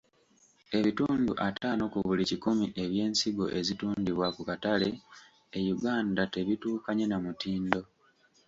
Ebitundu ataano ku buli kikumi eby'ensigo ezitundibwa ku katale e Uganda tebituukanye na mutindo.